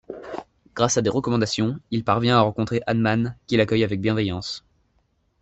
Grâce à des recommandations, il parvient à rencontrer Hahnemann qui l'accueille avec bienveillance.